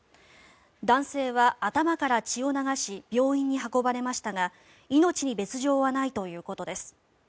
男性は頭から血を流し病院に運ばれましたが命に別条はないということです。